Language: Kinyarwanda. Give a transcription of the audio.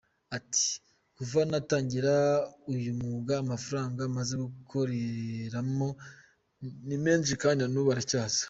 Ati” Kuva natangira uyu mwuga amafaranga maze gukoreramo ni menshi kandi n’ubu aracyaza.